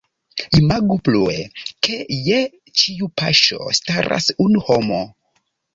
Imagu plue, ke je ĉiu paŝo staras unu homo.